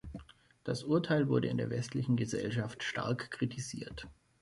Das Urteil wurde in der westlichen Gesellschaft stark kritisiert.